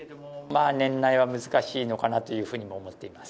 年内は難しいのかなというふうにも思っています。